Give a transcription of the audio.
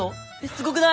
すごくない！？